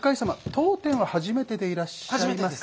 当店は初めてでいらっしゃいますか？